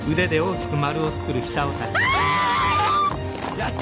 やった！